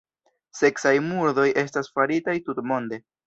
Seksaj murdoj estas faritaj tutmonde.